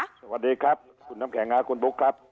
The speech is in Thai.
สวัสดีครับคุณน้ำแข็งคุณบุ๊คครับ